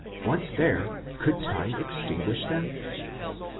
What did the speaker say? Once there, could time extinguish them?